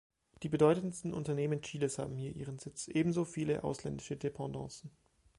Die bedeutendsten Unternehmen Chiles haben hier ihren Sitz, ebenso viele ausländische Dependancen.